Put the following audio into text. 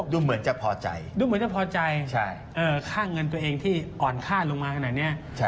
ดูเหมือนจะพอใจดูเหมือนจะพอใจค่าเงินตัวเองที่อ่อนค่าลงมาขนาดนี้